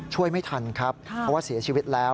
ช่วยไม่ทันครับเพราะว่าเสียชีวิตแล้ว